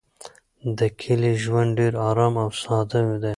د کلي ژوند ډېر ارام او ساده دی.